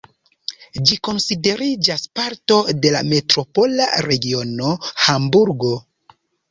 Ĝi konsideriĝas parto de la metropola regiono Hamburgo.